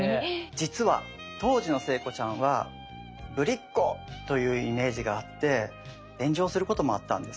実は当時の聖子ちゃんはぶりっ子というイメージがあって炎上することもあったんです。